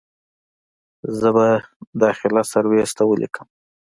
زه به داخله سرويس ته وليکم.